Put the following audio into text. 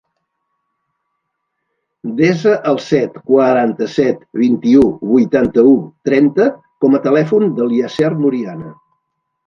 Desa el set, quaranta-set, vint-i-u, vuitanta-u, trenta com a telèfon del Yasser Muriana.